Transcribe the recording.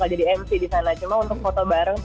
alhasil kita foto bareng